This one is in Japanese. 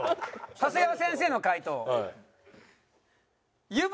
長谷川先生の回答。